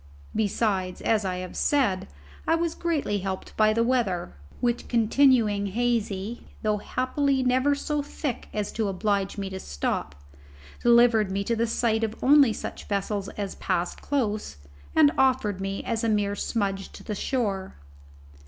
Besides, as I have said, I was greatly helped by the weather, which continuing hazy, though happily never so thick as to oblige me to stop, delivered me to the sight only of such vessels as passed close, and offered me as a mere smudge to the shore.